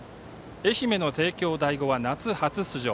愛媛の帝京第五は夏初出場。